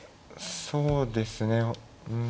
そうですねうん。